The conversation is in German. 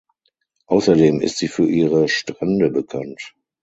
Außerdem ist sie für ihre Strände bekannt.